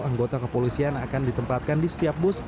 anggota kepolisian akan ditempatkan di setiap bus